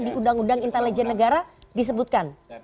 karena di undang undang intelijen negara disebutkan